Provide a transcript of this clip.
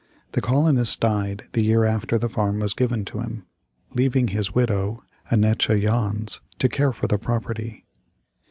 The colonist died the year after the farm was given him, leaving his widow, Annetje Jans, to care for the property.